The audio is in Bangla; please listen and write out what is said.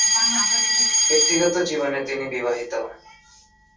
ব্যক্তিগত জীবনে তিনি বিবাহিত।